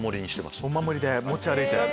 お守りで持ち歩いて。